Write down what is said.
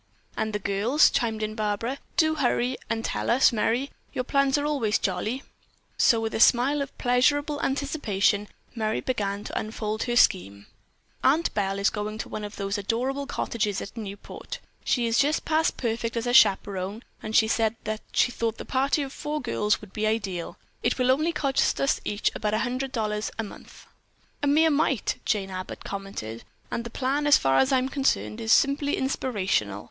"And the girls?" chimed in Barbara. "Do hurry and tell us, Merry. Your plans are always jolly." And so with a smile of pleasurable anticipation, Merry began to unfold her scheme. "Aunt Belle is going to one of those adorable cottage hotels at Newport. She is just past perfect as a chaperone and she said that she thought a party of four girls would be ideal. It will only cost each of us about $100 a month." "A mere mite," Jane Abbott commented, "and the plan, as far as I'm concerned, is simply inspirational.